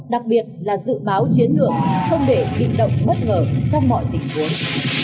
đặc biệt là dự báo chiến lược không để bị động bất ngờ trong mọi tình huống